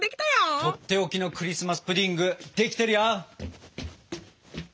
とっておきのクリスマス・プディングできてるよ！